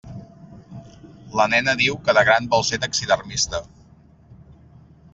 La nena diu que de gran vol ser taxidermista.